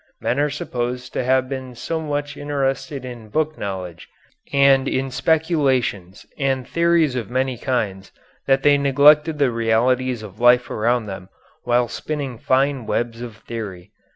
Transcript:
Men are supposed to have been so much interested in book knowledge and in speculations and theories of many kinds, that they neglected the realities of life around them while spinning fine webs of theory.